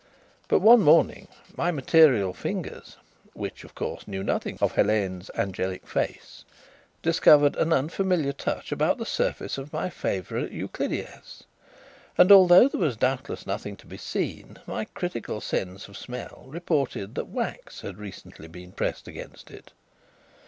But one morning my material fingers which, of course, knew nothing of Helene's angelic face discovered an unfamiliar touch about the surface of my favourite Euclideas, and, although there was doubtless nothing to be seen, my critical sense of smell reported that wax had been recently pressed against it.